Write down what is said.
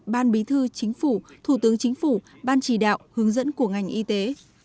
ban bí thư chính phủ thủ tướng chính phủ ban chỉ đạo hướng dẫn của ngành y tế